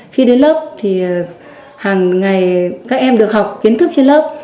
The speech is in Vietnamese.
khi đến lớp thì hàng ngày các em được học kiến thức trên lớp